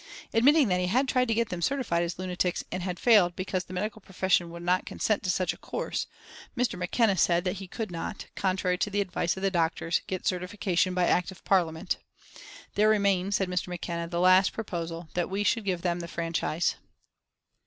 Admitting that he had tried to get them certified as lunatics and had failed because the medical profession would not consent to such a course, Mr. McKenna said that he could not, contrary to the advice of the doctors, get certification by Act of Parliament. "There remains," said Mr. McKenna, "the last proposal, that we should give them the franchise."